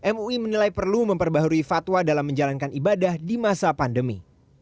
mui menilai perlu memperbaharui fatwa dalam menjalankan ibadah di masa pandemi